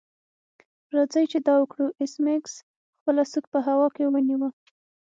راځئ چې دا وکړو ایس میکس خپله سوک په هوا کې ونیو